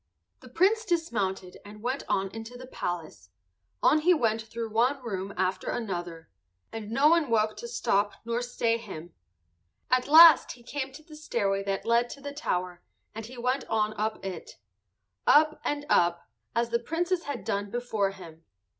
The Prince dismounted and went on into the palace; on he went through one room after another, and no one woke to stop nor stay him. At last he came to the stairway that led to the tower and he went on up it,—up and up, as the Princess had done before him.